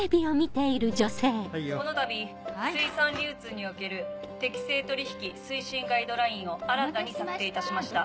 このたび水産流通における適正取引推進ガイドラインを新たに策定いたしました。